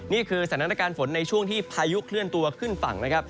นี่คือสถานการณ์ฝนในช่วงที่พายุเคลื่อนตัวขึ้นฝั่งนะครับ